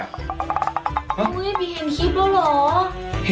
เฮ้ยไม่เห็นคลิปแล้วเหรอ